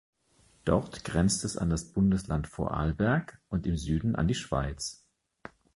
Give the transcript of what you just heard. Dort grenzt es an das Bundesland Vorarlberg, und im Süden an die Schweiz.